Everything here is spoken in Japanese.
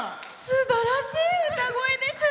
すばらしい歌声です！